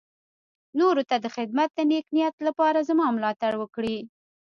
نورو ته د خدمت د نېک نيت لپاره زما ملاتړ وکړي.